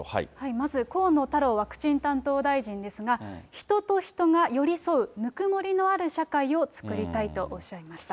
まず河野太郎ワクチン担当大臣ですが、人と人が寄り添うぬくもりのある社会をつくりたいとおっしゃいました。